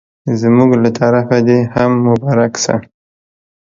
زموږ له طرفه دي هم مبارک سه